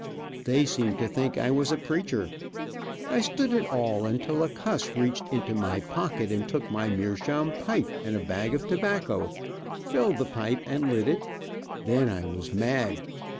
They seemed to think I was a preacher. I stood it all until a cuss reached into my pocket and took my meershaum pipe and a bag of tobacco, filled the pipe and lit it, then I was mad.